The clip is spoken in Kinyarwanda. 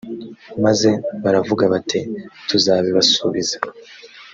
maze baravuga bati tuzabibasubiza